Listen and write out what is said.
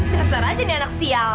dasar aja nih anak sial